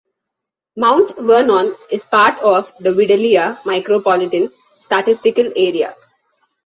Mount Vernon is part of the Vidalia Micropolitan Statistical Area.